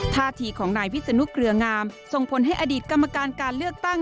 ท่าทีของนายวิศนุเกลืองามส่งผลให้อดีตกรรมการการเลือกตั้ง